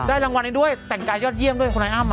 ได้รางวัลด้วยแต่งกายยอดเยี่ยมด้วยคุณอัม